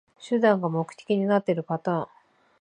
手段が目的になってるパターン